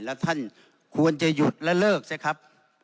แล้วท่านควรจะหยุดและเลิกสิครับ